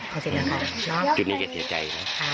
คือในจุดนี้แกเศียร์ใจ